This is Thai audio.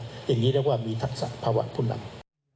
อย่างนี้เรียกว่ามีทักษะภาวะผู้นำ